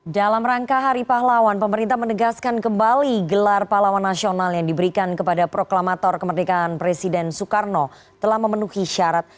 dalam rangka hari pahlawan pemerintah menegaskan kembali gelar pahlawan nasional yang diberikan kepada proklamator kemerdekaan presiden soekarno telah memenuhi syarat